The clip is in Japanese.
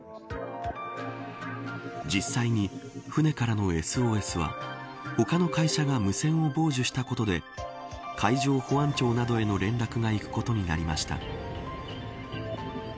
実際に船からのＳＯＳは他の会社が無線を傍受したことで海上保安庁などへの連絡がいくことになりました。